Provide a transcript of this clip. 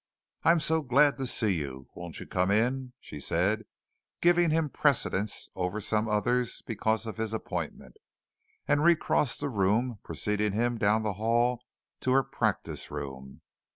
"I'm so glad to see you. Won't you come in?" she said, giving him precedence over some others because of his appointment, and re crossed the room preceding him down the hall to her practice room.